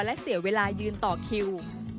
และเสียเวลายืนต่อคิว